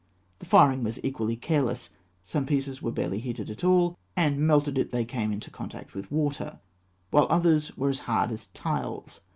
The firing was equally careless. Some pieces were barely heated at all, and melted it they came into contact with water, while others were as hard as tiles.